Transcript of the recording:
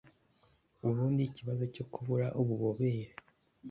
Ubundi ikibazo cyo kubura ububobere